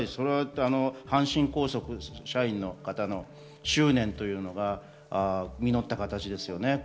阪神高速社員の方の執念というのが実った形ですよね。